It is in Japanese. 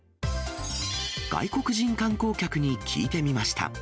外国人観光客に聞いてみました。